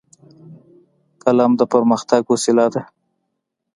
قلم د پرمختګ وسیله ده